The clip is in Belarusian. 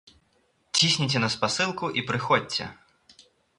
Цісніце на спасылку і прыходзьце!